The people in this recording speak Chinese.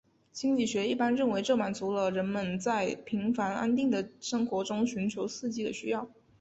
心理学一般认为这满足了人们在平凡安定的生活中寻求刺激的需要。